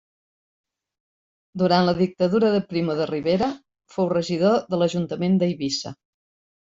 Durant la Dictadura de Primo de Rivera fou regidor de l'ajuntament d'Eivissa.